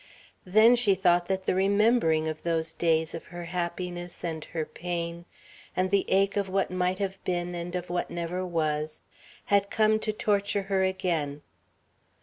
Then she thought that the remembering of those days of her happiness and her pain, and the ache of what might have been and of what never was, had come to torture her again.